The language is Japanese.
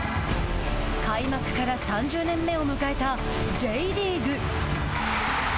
開幕から３０年目を迎えたＪリーグ。